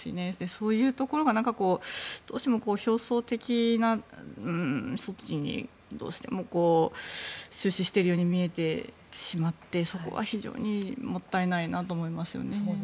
そういうところがどうしても表層的な措置に終始しているように見えてしまってそこは非常にもったいないなと思いますよね。